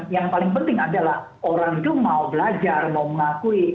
yang paling penting adalah orang itu mau belajar mau mengakui